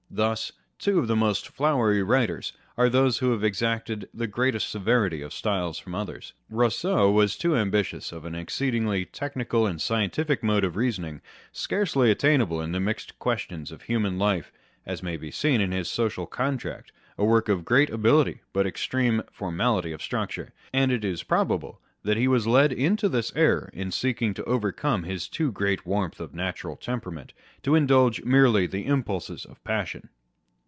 Thus two of the most flowery writers are those who have exacted the greatest severity of style from others. Eousseau was too ambitious of an exceedingly technical and scientific mode of reasoning, scarcely attainable in the mixed questions of human life (as may be seen in his Social Contract â€" a work of great ability but extreme formality of structure), and it is pro bable he was led into this error in seeking to overcome his too great warmth of natural temperament to indulge merely the impulses of passion.